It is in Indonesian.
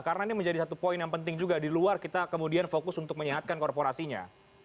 karena ini menjadi satu poin yang penting juga di luar kita kemudian fokus untuk menyehatkan korporasinya